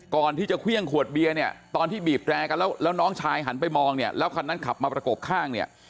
ก่อนที่จะเครื่องขวดเบียร์เนี่ยตอนที่บีบแตรกันแล้วแล้วน้องชายหันไปมองเนี่ยแล้วคันนั้นขับมาประกบข้างเนี่ย